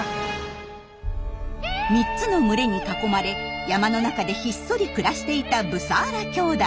３つの群れに囲まれ山の中でひっそり暮らしていたブサーラ兄弟。